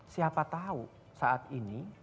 siapa tahu saat ini